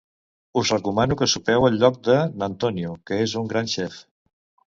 Us recomano que sopeu al lloc de n'Antonio, que és un gran xef.